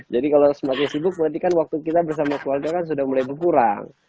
jadi kalau semakin sibuk berarti kan waktu kita bersama keluarga kan sudah mulai berkurang